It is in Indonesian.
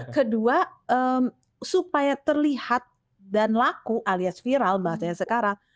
kedua supaya terlihat dan laku alias viral bahasanya sekarang